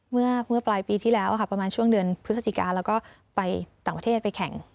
เมื่อปลายปีที่แล้วค่ะประมาณช่วงเดือนพฤศจิกาแล้วก็ไปต่างประเทศไปแข่ง